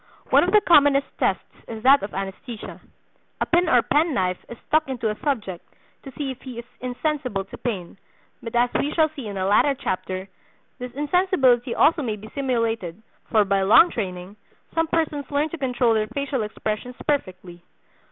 One of the commonest tests is that of anaesthesia. A pin or pen knife is stuck into a subject to see if he is insensible to pain; but as we shall see in a latter chapter, this insensibility also may be simulated, for by long training some persons learn to control their facial expressions perfectly.